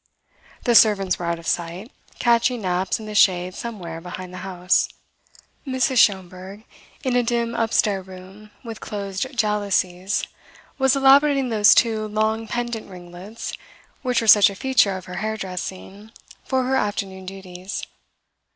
The servants were out of sight, catching naps in the shade somewhere behind the house. Mrs. Schomberg in a dim up stair room with closed jalousies, was elaborating those two long pendant ringlets which were such a feature of her hairdressing for her afternoon duties.